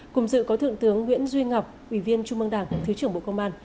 cùng dự có thượng tướng nguyễn duy ngọc ủy viên trung mương đảng thứ trưởng bộ công an